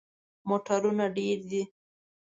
موټرونه ډیر دي